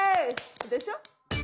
でしょ。